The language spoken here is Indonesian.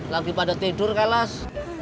lagi pada tidur kelas